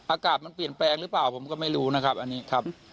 อากาศมันเปลี่ยนแปลงหรือเปล่าผมก็ไม่รู้นะครับอันนี้ครับ